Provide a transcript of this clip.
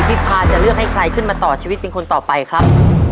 พาจะเลือกให้ใครขึ้นมาต่อชีวิตเป็นคนต่อไปครับ